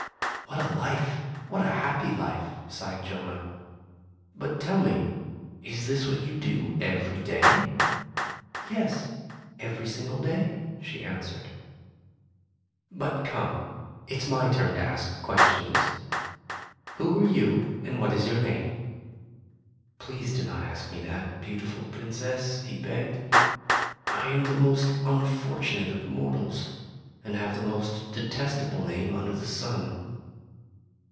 "What a life, what a happy life!" sighed Jonah. "But tell me, is this what you do every day ?" "Yes, every single day," she answered. "But come, it's my turn to ask questions. Who are you, and what is your name ?'' "Please do not ask me that, beautiful Princess," he begged. "I am the most unfortunate of mortals, and have the most detestable name under the sun."